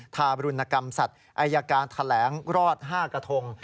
ทารุณกรรมสัตว์อายการแถลงรอด๕กระทง